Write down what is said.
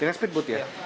dengan speed boot ya